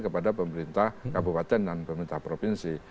kepada pemerintah kabupaten dan pemerintah provinsi